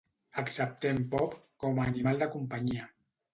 Acceptem pop com a animal de companyia